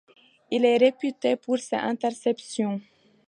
Il est réputé pour ses interceptions.